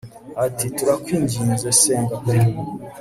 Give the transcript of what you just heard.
ati turakwinginze senga pe